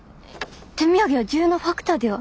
手土産は重要なファクターでは？